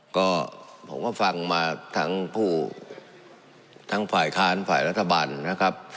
ก็ผมก็ฟังมาทั้งผู้ทั้งฝ่ายค้านฝ่ายรัฐบาลนะครับ